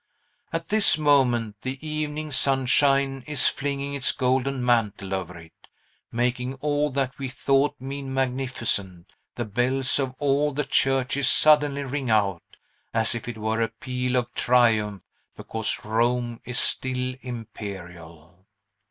At this moment, the evening sunshine is flinging its golden mantle over it, making all that we thought mean magnificent; the bells of all the churches suddenly ring out, as if it were a peal of triumph because Rome is still imperial.